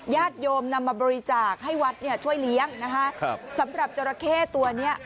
ญาติโยมนำมาบริจาคให้วัดช่วยเลี้ยงสำหรับจรเขตตัวเนี่ย